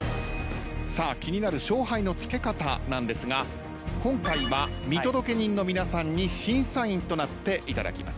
さあ気になる勝敗のつけ方なんですが今回は見届け人の皆さんに審査員となっていただきます。